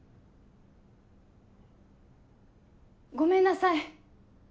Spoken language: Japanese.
ごめんなさい。